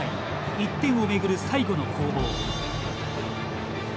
１点を巡る最後の攻防。